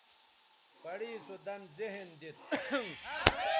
پڑےسو دَن ذہن دیت